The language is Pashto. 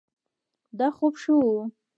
دا خوب ښه ؤ